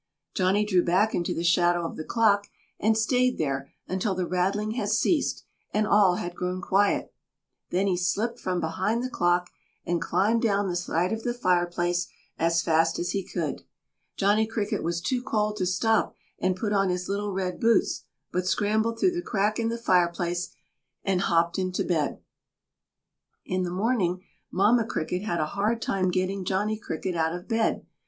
Johnny drew back into the shadow of the clock, and stayed there until the rattling had ceased and all had grown quiet, then he slipped from behind the clock and climbed down the side of the fireplace as fast as he could. Johnny Cricket was too cold to stop and put on his little red boots, but scrambled through the crack in the fireplace and hopped into bed. In the morning Mamma Cricket had a hard time getting Johnny Cricket out of bed.